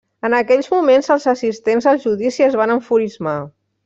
En aquells moments els assistents al judici es van enfurismar.